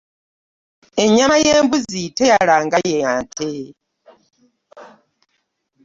Ennyama y'embuzi teyala ng'eynte .